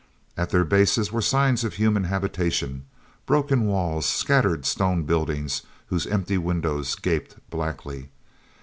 At their bases were signs of human habitation—broken walls, scattered stone buildings whose empty windows gaped blackly.